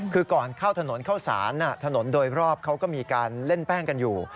คือก่อนเข้าถนนเข้าสารถนนโดยรอบเขาก็มีการเล่นแป้งกันอยู่